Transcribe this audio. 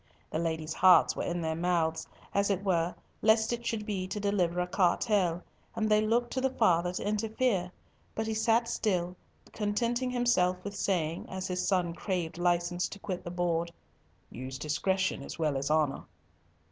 The ladies' hearts were in their mouths, as it were, lest it should be to deliver a cartel, and they looked to the father to interfere, but he sat still, contenting himself with saying, as his son craved license to quit the board, "Use discretion as well as honour."